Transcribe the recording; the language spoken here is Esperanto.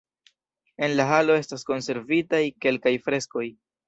En la halo estas konservitaj kelkaj freskoj.